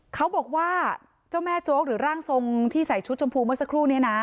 เขาบอกว่าเจ้าแม่โจ๊กหรือร่างทรงที่ใส่ชุดชมพูเมื่อสักครู่นี้นะ